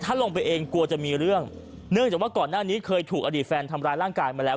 ถ้าลงไปเองกลัวจะมีเรื่องเนื่องจากว่าก่อนหน้านี้เคยถูกอดีตแฟนทำร้ายร่างกายมาแล้ว